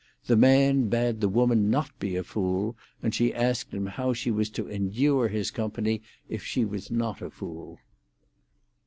The man bade the woman not be a fool, and she asked him how she was to endure his company if she was not a fool.